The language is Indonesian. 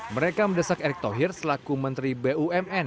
mereka mendesak erick thohir selaku menteri bumn